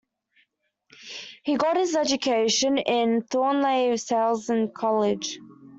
He got his education at Thornleigh Salesian College.